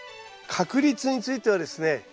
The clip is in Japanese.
確率についてはですね